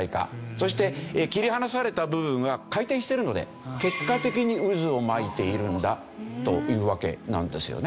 そして切り離された部分は回転してるので結果的に渦を巻いているんだというわけなんですよね。